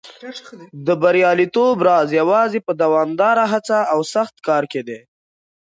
د بریالیتوب راز یوازې په دوامداره هڅه او سخت کار کې دی.